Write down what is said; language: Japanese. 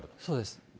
そうです。